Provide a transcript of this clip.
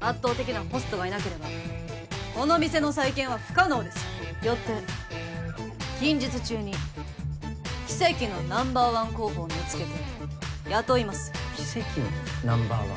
圧倒的なホストがいなければこの店の再建は不可能ですよって近日中に奇跡のナンバーワン候補を見つけて雇います奇跡のナンバーワン？